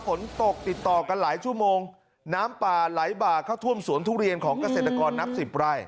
ฝนตกติดต่อกันหลายชั่วโมงน้ำป่าไหลบ่าเข้าท่วมสวนทุเรียนของเกษตรกรนับสิบไร่